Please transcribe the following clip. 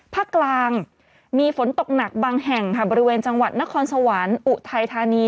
ภาคกลางมีฝนตกหนักบางแห่งค่ะบริเวณจังหวัดนครสวรรค์อุทัยธานี